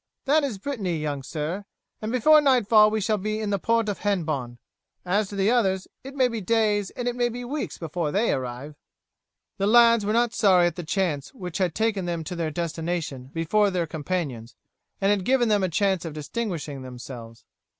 "That is Brittany, young sir, and before nightfall we shall be in the port of Hennebon; as to the others, it may be days and it may be weeks before they arrive." The lads were not sorry at the chance which had taken them to their destination before their companions and had given them a chance of distinguishing themselves.